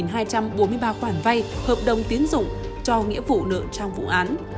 công ty cổ phần tnh hạ long cho một hai trăm bốn mươi ba khoản vay hợp đồng tiến dụng cho nghĩa vụ nợ trong vụ án